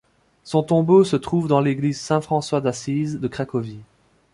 Son tombeau se trouve dans l'église Saint-François-d'Assise de Cracovie.